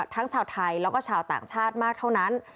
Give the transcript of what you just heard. ทั้งชาวไทยแล้วก็ชาวต่างชาติมากเท่านั้น